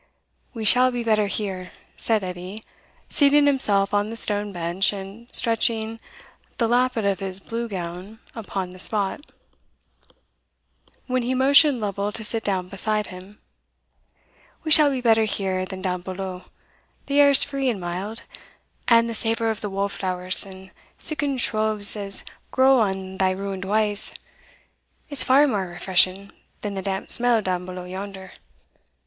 "We shall be better here," said Edie, seating himself on the stone bench, and stretching the lappet of his blue gown upon the spot, when he motioned Lovel to sit down beside him "we shall be better here than doun below; the air's free and mild, and the savour of the wallflowers, and siccan shrubs as grow on thae ruined wa's, is far mair refreshing than the damp smell doun below yonder.